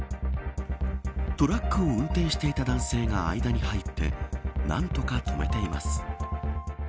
トラックを運転していた男性が間に入って何とか止めています。